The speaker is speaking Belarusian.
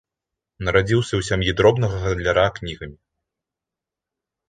Нарадзіўся ў сям'і дробнага гандляра кнігамі.